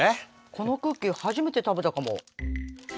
このクッキー初めて食べたかも。